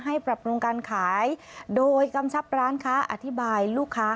ปรับปรุงการขายโดยกำชับร้านค้าอธิบายลูกค้า